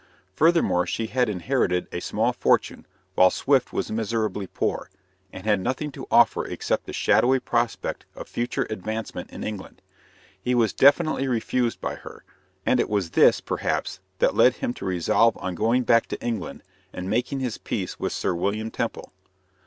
Furthermore, she had inherited a small fortune, while Swift was miserably poor, and had nothing to offer except the shadowy prospect of future advancement in England. He was definitely refused by her; and it was this, perhaps, that led him to resolve on going back to England and making his peace with Sir William Temple.